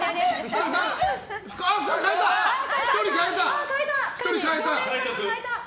あ、１人変えた！